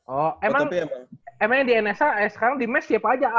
oh emang emang di nsa sekarang di mes siapa aja